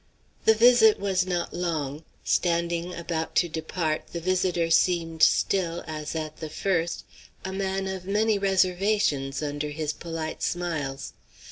The visit was not long. Standing, about to depart, the visitor seemed still, as at the first, a man of many reservations under his polite smiles.